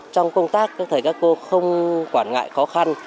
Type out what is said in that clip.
trong công tác các thầy các cô không quản ngại khó khăn